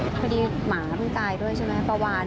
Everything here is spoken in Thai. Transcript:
พอดีหมาตายตายด้วยประวาน